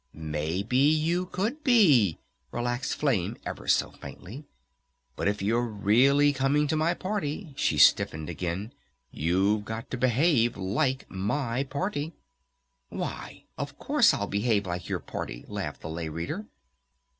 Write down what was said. "Maybe you could be," relaxed Flame ever so faintly. "But if you're really coming to my party," she stiffened again, "you've got to behave like my party!" "Why, of course I'll behave like your party!" laughed the Lay Reader.